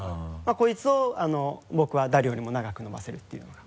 こいつを僕は誰よりも長く伸ばせるっていうのが。